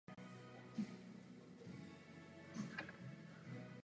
Účastnil se zasedání senátu a pokračoval v obvyklé praxi poskytování zábavy římskému lidu.